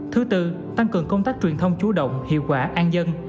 thứ tư tăng cường công tác truyền thông chú động hiệu quả an dân